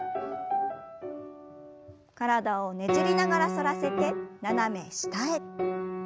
体をねじりながら反らせて斜め下へ。